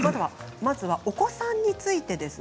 まずはお子さんについてです。